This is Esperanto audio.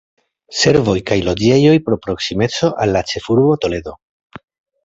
Servoj kaj loĝejoj pro proksimeco al la ĉefurbo Toledo.